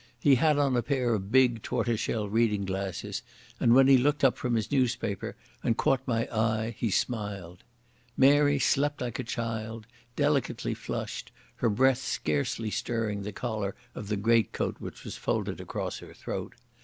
He had on a pair of big tortoiseshell reading glasses, and when he looked up from his newspaper and caught my eye he smiled. Mary slept like a child, delicately flushed, her breath scarcely stirring the collar of the greatcoat which was folded across her throat.